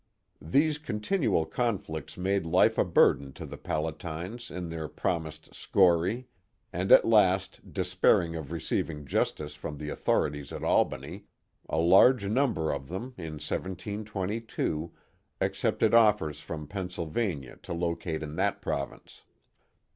These continual conflicts made life a burden to the Pala tines in their promised '* Schorie/' and at last, despairing of receiving justice from the authorities at Albany, a large num ber of them, in 1722, accepted offers from Pennsylvania to lo cate in that province.